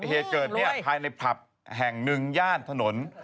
เหตุเกิดเนี่ยภายในผับแห่งหนึ่งย่านถนน